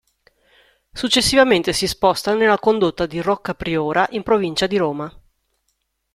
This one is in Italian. Successivamente si sposta nella condotta di Rocca Priora, in provincia di Roma.